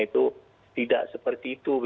itu tidak seperti itu begitu ya